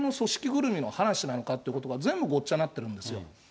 ぐるみの話なのかということが全部ごっちゃになってるんですよ。